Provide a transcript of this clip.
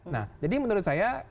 nah jadi menurut saya